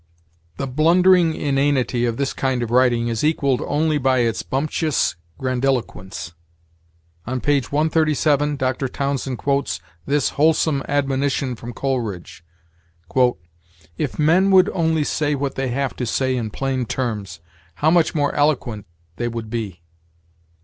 The blundering inanity of this kind of writing is equaled only by its bumptious grandiloquence. On p. 137 Dr. Townsend quotes this wholesome admonition from Coleridge: "If men would only say what they have to say in plain terms, how much more eloquent they would be!"